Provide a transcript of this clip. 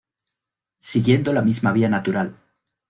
Siguiendo la misma vía natural.